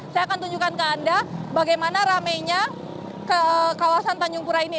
saya akan tunjukkan ke anda bagaimana ramenya kawasan tanjung pura ini